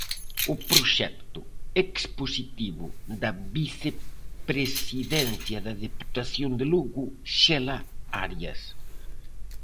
O proxecto expositivo da Vicepresidencia da Deputación de Lugo Xela Arias.